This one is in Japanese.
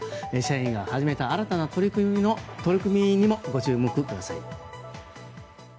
社員が始めた新たな取り組みにもご注目ください。